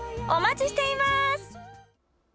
お待ちしています！